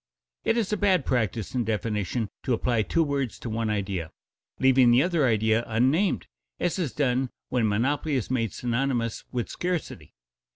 It is a bad practice in definition to apply two words to one idea, leaving the other idea unnamed, as is done when monopoly is made synonymous with scarcity.